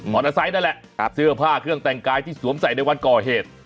อเตอร์ไซค์นั่นแหละเสื้อผ้าเครื่องแต่งกายที่สวมใส่ในวันก่อเหตุ